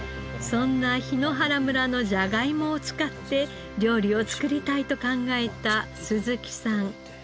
そんな檜原村のじゃがいもを使って料理を作りたいと考えた鈴木さん。